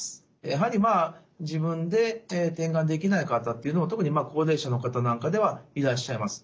やはり自分で点眼できない方っていうのは特に高齢者の方なんかではいらっしゃいます。